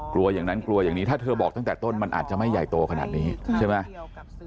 กลัวอย่างนั้นกลัวอย่างนี้ถ้าเธอบอกตั้งแต่ต้นมันอาจจะไม่ใหญ่โตขนาดนี้ใช่ไหม